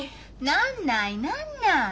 なんないなんない。